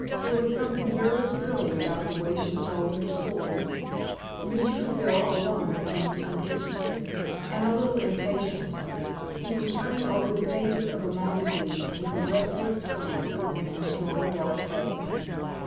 There was something very thrilling about the way she told her story. Mr. Deville alone seemed uninterested, and a little impatient. He was turning over the pages of a magazine, with a restless frown upon his strong, dark face.